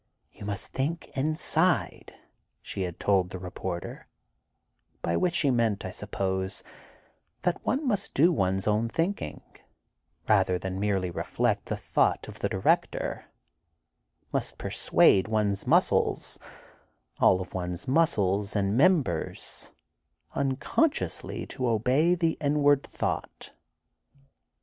"You must think inside," she had told the reporter, by which she meant, I suppose, that one must do one's own thinking, rather than merely reflect the thought of the director, must persuade one's muscles—all of one's muscles and members—unconsciously to obey the inward thought.